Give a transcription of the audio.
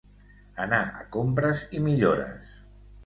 Anar a compres i millores.